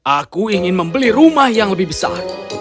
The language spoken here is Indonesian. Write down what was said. aku ingin membeli rumah yang lebih besar